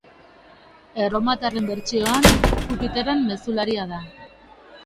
Erromatarren bertsioan, Jupiterren mezularia da.